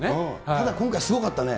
ただ今回すごかったね。